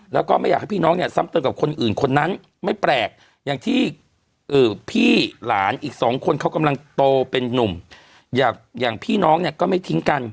แล้วก็ไม่อยากให้พี่น้องเนี่ยซ้ำเติมกับคนอื่นคนนั้นไม่แปลกอย่างที่พี่หลานอีกสองคนเขากำลังโตเป็นนุ่มอย่างพี่น้องเนี่ยก็ไม่ทิ้งกัน